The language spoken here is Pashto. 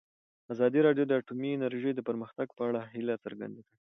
ازادي راډیو د اټومي انرژي د پرمختګ په اړه هیله څرګنده کړې.